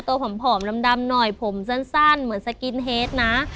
ผอมดำหน่อยผมสั้นเหมือนสกินเฮดนะ